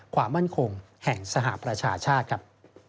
ความมั่นคงแห่งสหประชาชาติครับ